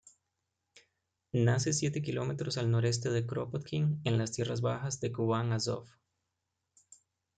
Nace siete kilómetros al noroeste de Kropotkin, en las tierras bajas de Kubán-Azov.